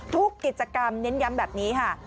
ทุกกิจกรรมเน้นย้ำแบบนี้ค่ะ